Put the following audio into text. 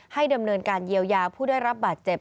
ดำเนินการเยียวยาผู้ได้รับบาดเจ็บ